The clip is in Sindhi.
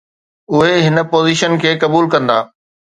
اهي هن پوزيشن کي قبول ڪندا